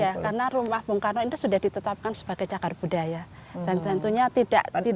ya karena rumah bung karno ini sudah ditetapkan sebagai cagar budaya dan tentunya tidak